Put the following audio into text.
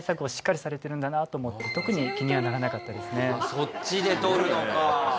そっちで取るのか。